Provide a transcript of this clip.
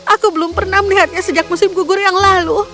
aku belum pernah melihatnya sejak musim gugur yang lalu